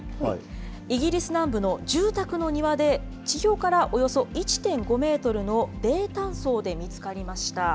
イギリス南部の住宅の庭で地表からおよそ１．５メートルの泥炭層で見つかりました。